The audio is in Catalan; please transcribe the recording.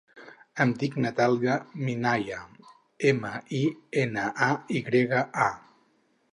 Em dic Natàlia Minaya: ema, i, ena, a, i grega, a.